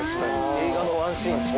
映画のワンシーンっすね。